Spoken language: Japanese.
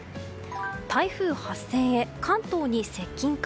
台風発生へ、関東に接近か。